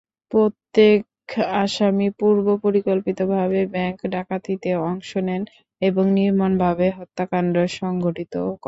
প্রত্যেক আসামি পূর্বপরিকল্পিতভাবে ব্যাংক ডাকাতিতে অংশ নেন এবং নির্মমভাবে হত্যাকাণ্ড সংঘটিত করেন।